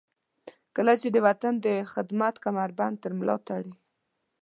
کله چې د وطن د خدمت کمربند تر ملاتړئ.